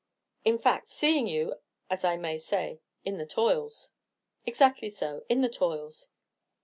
"In fact, seeing you, as I may say, in the toils." "Exactly so, in the toils."